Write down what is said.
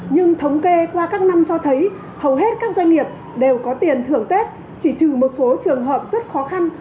nhưng thống kê qua các năm cho thấy hầu hết các doanh nghiệp đều có tiền thưởng tết chỉ trừ một số trường hợp rất khó khăn